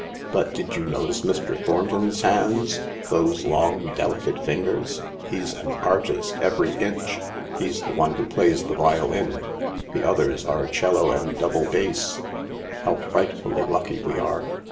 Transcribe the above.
" But did you notice Mr. Thornton's hands ? Those long, delicate fingers ? He's an artist every inch." " He's the one who plays the violin. The others are 'cello and double bass. How frightfully lucky we are